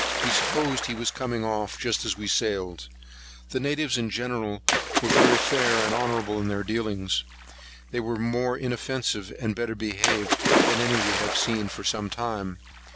We supposed he was coming off just as we sailed.[137 1] The natives in general were very fair and honourable in their dealings. They were more inoffensive and better behaved than any we had seen for some time.